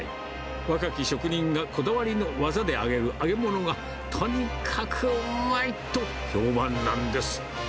若き職人がこだわりの技で揚げる揚げ物が、とにかくうまいと評判なんです。